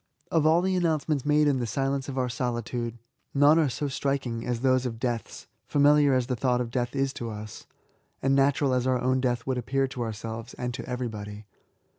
Of all the announcements made in the silence of our solitude, none are so striking as those of deaths, familial* as the thought of death is to us^ and natural as our own death would appear to our selves, and to everybody.